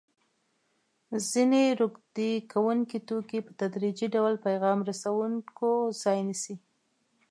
ځیني روږدي کوونکي توکي په تدریجي ډول پیغام رسوونکو ځای نیسي.